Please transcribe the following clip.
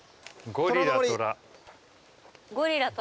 ゴリラ・トラ。